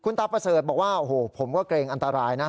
ตาประเสริฐบอกว่าโอ้โหผมก็เกรงอันตรายนะ